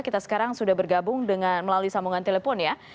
kita sekarang sudah bergabung dengan melalui sambungan telepon ya